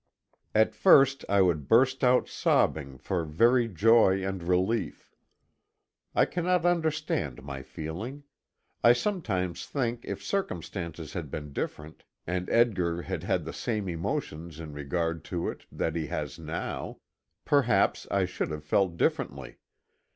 At first I would burst out sobbing for very joy and relief. I cannot understand my feeling. I sometimes think if circumstances had been different, and Edgar had had the same emotions in regard to it that he has now, perhaps I should have felt differently.